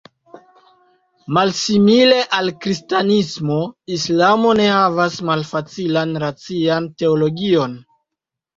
Malsimile al kristanismo, islamo ne havas malfacilan racian teologion.